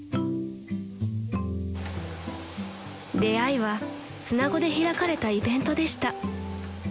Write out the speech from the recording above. ［出会いは綱子で開かれたイベントでした］